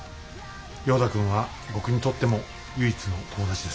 ヨーダ君は僕にとっても唯一の友達です。